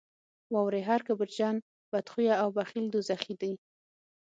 واورئ هر کبرجن، بدخویه او بخیل دوزخي دي.